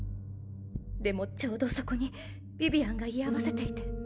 でもちょうどそこにビビアンが居合わせていて。